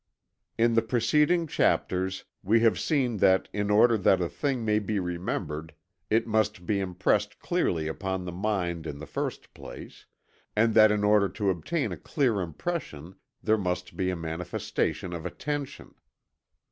In the preceding chapters we have seen that in order that a thing may be remembered, it must be impressed clearly upon the mind in the first place; and that in order to obtain a clear impression there must be a manifestation of attention.